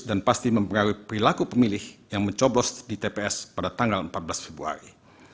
dan pasti mempengaruhi perilaku pemilih yang mencobos di tps pada tanggal empat belas februari